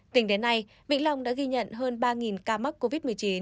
tính đến nay vĩnh long đã ghi nhận hơn ba ca mắc covid một mươi chín